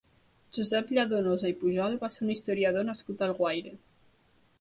Josep Lladonosa i Pujol va ser un historiador nascut a Alguaire.